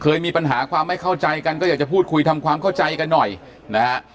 เคยมีปัญหาความไม่เข้าใจกันก็อยากจะพูดคุยทำความเข้าใจกันหน่อยนะฮะ